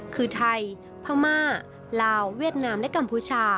คือไทยพม่าลาวเวียดนามและกัมพูชา